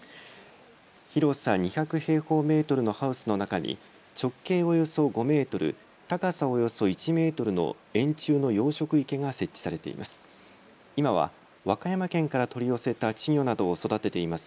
広さ２００平方メートルのハウスの中に直径およそ５メートル、高さおよそ１メートルの円柱の養殖池が設置されています。